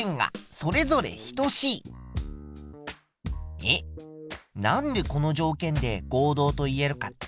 えっなんでこの条件で合同と言えるかって？